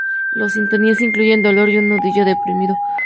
Los síntomas incluyen dolor y un nudillo deprimido.